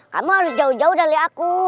kamu harus jauh jauh dari aku